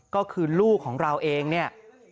ก็มองถึงผู้หลักผู้ใหญ่พ่อแม่